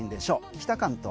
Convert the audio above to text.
北関東。